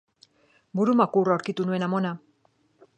Burumakur aurkitu nuen amona